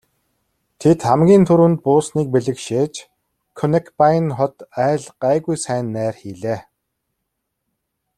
Тэд хамгийн түрүүнд буусныг бэлэгшээж Конекбайн хот айл гайгүй сайн найр хийлээ.